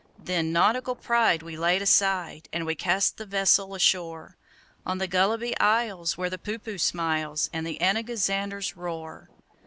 Then nautical pride we laid aside, And we cast the vessel ashore On the Gulliby Isles, where the Poohpooh smiles, And the Anagazanders roar.